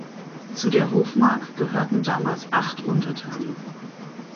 Zu der Hofmark gehörten damals acht Untertanen.